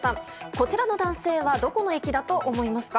こちらの男性はどこの駅だと思いますか？